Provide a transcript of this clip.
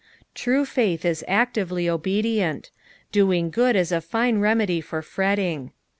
"' True faith is actively obedient. Doing good is a fine remedy for fretting.